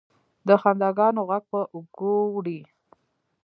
د خنداګانو، ږغ پر اوږو وړي